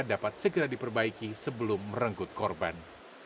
dapat segera diperbaiki sebelum merenggut korban